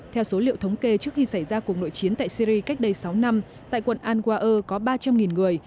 theo số liệu thống kê trước khi xảy ra cuộc nội chiến tại syri cách đây sáu năm tại quận anwa có ba trăm linh người